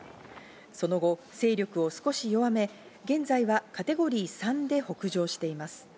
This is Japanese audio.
その後、勢力を少し弱め、現在はカテゴリー３で北上しています。